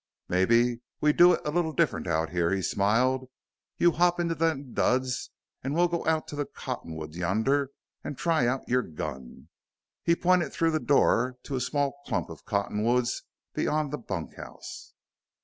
"Mebbe we do it a little different out here," he smiled. "You hop into them duds an' we'll go out into the cottonwood yonder an' try out your gun." He pointed through the door to a small clump of cottonwoods beyond the bunkhouse.